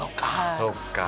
そっか。